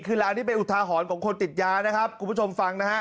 คือร้านนี้เป็นอุทาหรณ์ของคนติดยานะครับคุณผู้ชมฟังนะฮะ